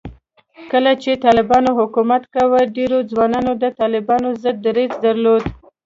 کله چې طالبانو حکومت کاوه، ډېرو ځوانانو د طالبانو ضد دریځ درلود